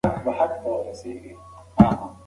ورزش د بدن او ذهن لپاره ګټور دی.